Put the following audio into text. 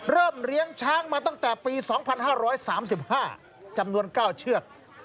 เริ่มเลี้ยงช้างมาตั้งแต่ปีสองพันห้าร้อยสามสิบห้าจำนวนเก้าเชือก